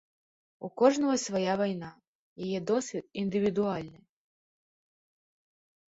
У кожнага свая вайна, яе досвед індывідуальны.